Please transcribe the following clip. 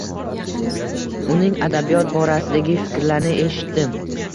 Uning adabiyot borasidagi fikrlarini eshitdim.